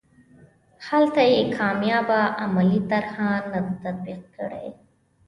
هلته یې کامیابه عملي طرحه نه ده تطبیق کړې.